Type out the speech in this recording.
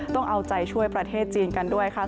ต้องเอาใจช่วยประเทศจีนกันด้วยค่ะ